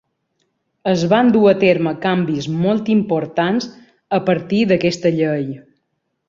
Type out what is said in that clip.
Es van dur a terme canvis molt importants a partir d'aquesta Llei.